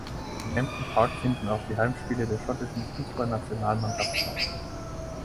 Im Hampden Park finden auch die Heimspiele der schottischen Fußballnationalmannschaft statt.